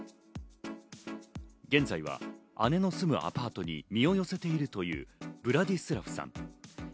現在は姉の住むアパートに身を寄せているというヴラディスラフさん。